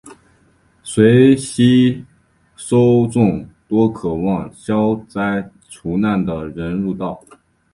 遂吸收众多渴望消灾除难的人入道。